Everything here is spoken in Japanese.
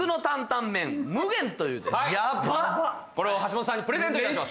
これを橋本さんにプレゼントいたします